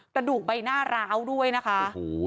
ตระดูกใบหน้าร้าวด้วยนะคะโอ้โห